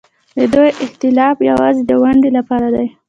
د دوی ائتلاف یوازې د ونډې لپاره دی.